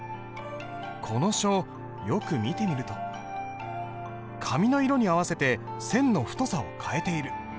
この書よく見てみると紙の色に合わせて線の太さを変えている。